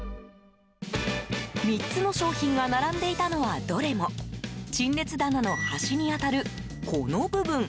３つの商品が並んでいたのはどれも陳列棚の端に当たるこの部分。